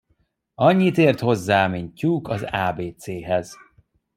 Annyit ért hozzá, mint tyúk az ábécéhez.